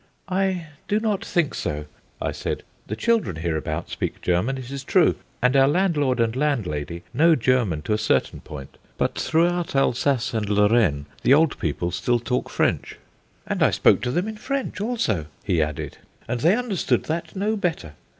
"I do not think so," I said. "The children hereabout speak German, it is true, and our landlord and landlady know German to a certain point. But throughout Alsace and Lorraine the old people still talk French." "And I spoke to them in French also," he added, "and they understood that no better."